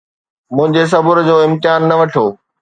منهنجي صبر جو امتحان نه وٺو